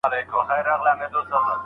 ايا حضوري ټولګي د ښوونکي وضاحت اسانه کوي؟